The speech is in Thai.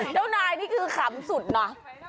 เจ้านายนี่คือขำสุดนะ